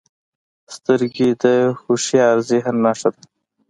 سترګې د هوښیار ذهن نښه ده